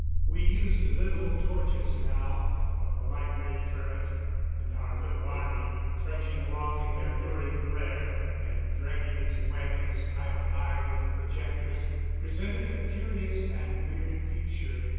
We used little torches now, of the light ray current, and our little army, trudging along in their lurid glare, and dragging its wagons piled high with the projectors, presented a curious and weird picture.